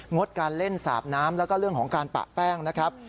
ดการเล่นสาบน้ำแล้วก็เรื่องของการปะแป้งนะครับ